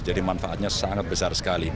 jadi manfaatnya sangat besar sekali